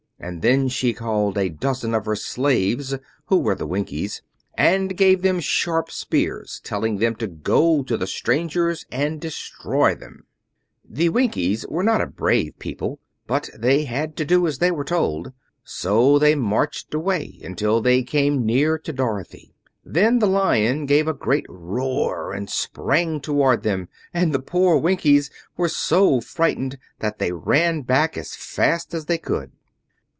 And then she called a dozen of her slaves, who were the Winkies, and gave them sharp spears, telling them to go to the strangers and destroy them. The Winkies were not a brave people, but they had to do as they were told. So they marched away until they came near to Dorothy. Then the Lion gave a great roar and sprang towards them, and the poor Winkies were so frightened that they ran back as fast as they could.